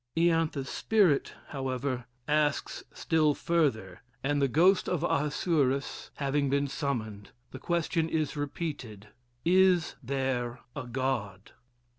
"Ianthe's" spirit, however, asks still further, and the ghost of Ahasuerus having been summoned, the question is repeated, "Is there a God?"